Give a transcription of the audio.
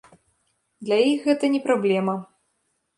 Для іх гэта не праблема.